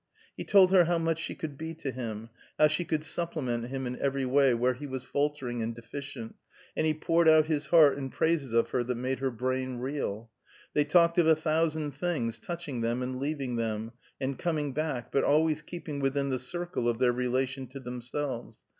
He told her how much she could be to him, how she could supplement him in every way where he was faltering and deficient, and he poured out his heart in praises of her that made her brain reel. They talked of a thousand things, touching them, and leaving them, and coming back, but always keeping within the circle of their relation to themselves.